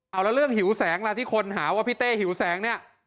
เอาแล้วเรื่องหิวแสงล่ะที่คนหาว่าพี่เต้หิวแสงเนี่ย